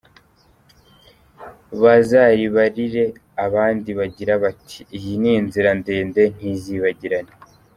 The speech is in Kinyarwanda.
Bazaribarire abandi bagira bati : iyi ni inzira ndende ntizibagirane.